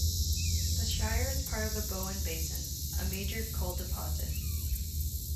The Shire is part of the Bowen Basin, a major coal deposit.